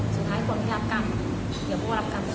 สุดท้ายคนที่รับกรรมเดี๋ยวพ่อรับกรรม